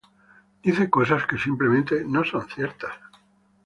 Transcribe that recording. Dice cosas que simplemente no son ciertas.